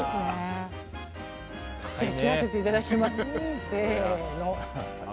切らせていただきます。